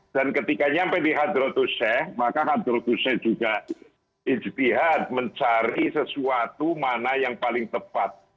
dan ketika nyampe di hadrotuse maka hadrotuse juga mencari sesuatu mana yang paling tepat